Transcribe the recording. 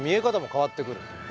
変わってくる。